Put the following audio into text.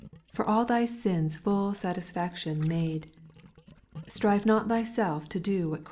For all thy sins full satisfaction made ; Strive not thyself to do ^\:v»X.